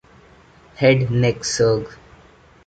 Head Neck Surg.